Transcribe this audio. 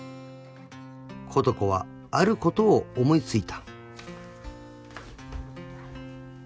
［琴子はあることを思い付いた］